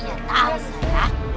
ya tak usah